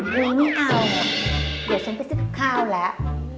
มึงไม่เอาเดี๋ยวฉันไปซื้อกับข้าวแล้ว